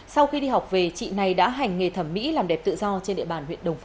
sau khi đi học về chị này đã hành nghề thẩm mỹ làm đẹp tự do trên địa bàn huyện đồng phú